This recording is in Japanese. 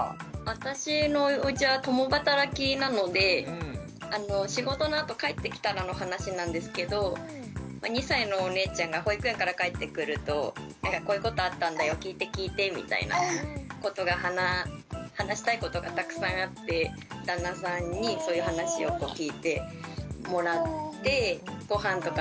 私のおうちは共働きなので仕事のあと帰ってきたらの話なんですけど２歳のお姉ちゃんが保育園から帰ってくると「こういうことあったんだよ聞いて聞いて」みたいなことが話したいことがたくさんあってさあ他にも聞いてみましょうか？